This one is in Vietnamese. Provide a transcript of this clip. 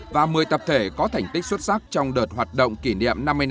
và một mươi tập thể có thành tích xuất sắc trong đợt hoạt động kỷ niệm năm mươi năm